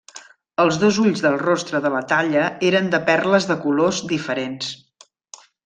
Els dos ulls del rostre de la talla eren de perles de colors diferents.